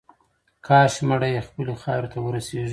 کاش مړی یې خپلې خاورې ته ورسیږي.